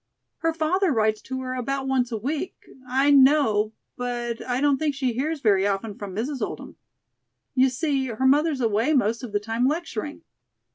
"Her father writes to her about once a week, I know; but I don't think she hears very often from Mrs. Oldham. You see, her mother's away most of the time lecturing."